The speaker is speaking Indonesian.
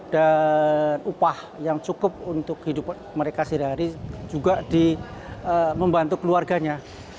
dan upah yang cukup untuk hidup mereka sehari hari juga di membantu keluarganya